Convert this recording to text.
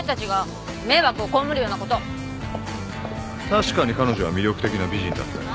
確かに彼女は魅力的な美人だったよ。